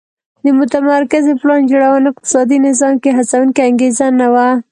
د متمرکزې پلان جوړونې اقتصادي نظام کې هڅوونکې انګېزه نه وه